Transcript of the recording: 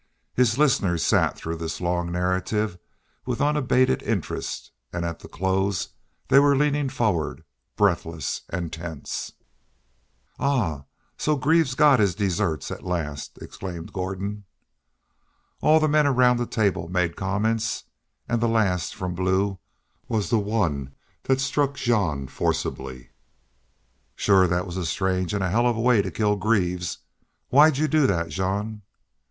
His listeners sat through this long narrative with unabated interest and at the close they were leaning forward, breathless and tense. "Ah! So Greaves got his desserts at last," exclaimed Gordon. All the men around the table made comments, and the last, from Blue, was the one that struck Jean forcibly. "Shore thet was a strange an' a hell of a way to kill Greaves. Why'd you do thet, Jean?"